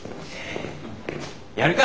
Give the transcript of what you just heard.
やるか！